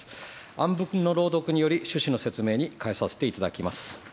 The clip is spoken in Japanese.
案文の朗読により、趣旨の説明に変えさせていただきます。